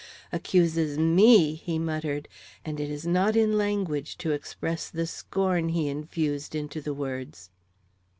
"Accuses me?" he muttered; and it is not in language to express the scorn he infused into the words.